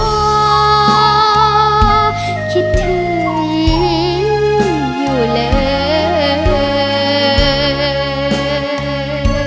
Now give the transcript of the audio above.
คิดถึงอยู่เลย